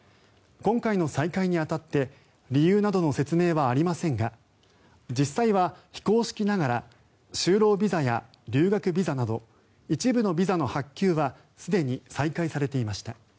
今回の再開に当たって理由などの説明はありませんが実際は、非公式ながら就労ビザや留学ビザなど一部のビザの発給はすでに再開されていました。